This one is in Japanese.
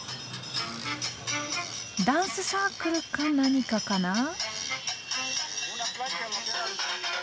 ダンスサークルか何かかな？